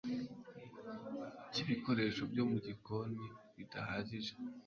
cy ibikoresho byo mu gikoni bidahagije